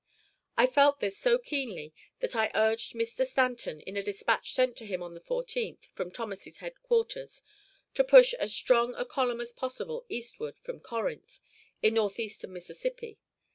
I felt this so keenly that I urged Mr. Stanton, in a dispatch sent to him on the 14th from Thomas's headquarters, to push as strong a column as possible eastward from Corinth, in northeastern Mississippi.